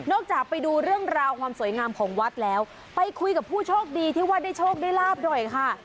จากไปดูเรื่องราวความสวยงามของวัดแล้วไปคุยกับผู้โชคดีที่ว่าได้โชคได้ลาบหน่อยค่ะ